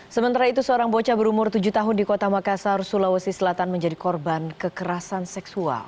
sementara itu seorang bocah berumur tujuh tahun di kota makassar sulawesi selatan menjadi korban kekerasan seksual